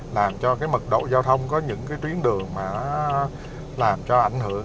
làm cho cái mật độ giao thông có những cái tuyến đường mà nó làm cho ảnh hưởng